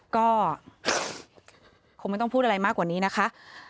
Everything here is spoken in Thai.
ก็คงไม่ต้องพูดอะไรมากกว่านี้นะคะ